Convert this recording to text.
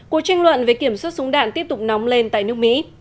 cuộc tranh luận về kiểm soát súng đạn tiếp tục nóng lên tại nước mỹ